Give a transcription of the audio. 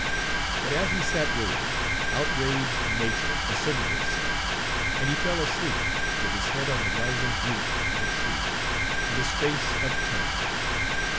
But as he sat waiting, outraged nature asserted itself, and he fell asleep, with his head on the rising root of a tree, and his face upturned.